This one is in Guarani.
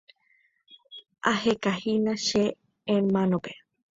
Ahekahína che hermanope.